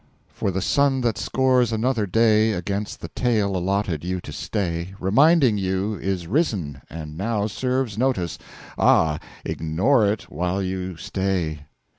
for the Sun that scores another Day Against the Tale allotted You to stay, Reminding You, is Risen, and now Serves Notice ah, ignore it while You stay!